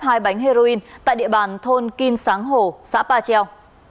hai bánh heroin tại địa bàn thôn kim sáng hồ xã ba treo